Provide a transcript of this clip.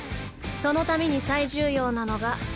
そのために最重要なのが。